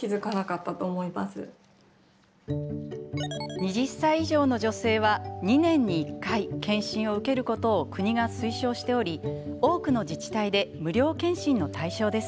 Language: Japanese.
２０歳以上の女性は２年に１回、検診を受けることを国が推奨しており多くの自治体で無料検診の対象です。